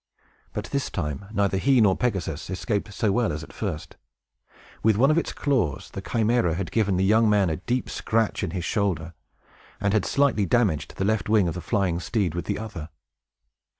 But this time, neither he nor Pegasus escaped so well as at first. With one of its claws, the Chimæra had given the young man a deep scratch in his shoulder, and had slightly damaged the left wing of the flying steed with the other.